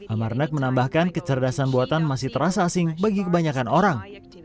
amarnak menambahkan kecerdasan buatan masih terasa asing bagi kebanyakan orang